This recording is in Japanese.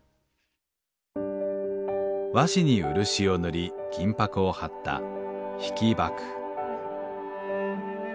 和紙に漆を塗り金箔を貼った引箔。